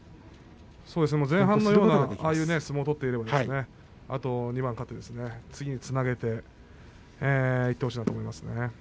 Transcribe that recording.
前半のような相撲を取っていればあと２番勝って次につなげていってほしいなと思いますね。